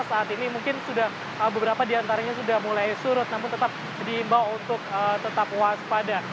saat ini mungkin sudah beberapa diantaranya sudah mulai surut namun tetap diimbau untuk tetap waspada